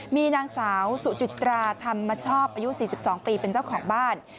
มีนางสาวสุจิตราธรรมชอบอายุ๔๒ปีเป็นเจ้าของบ้าน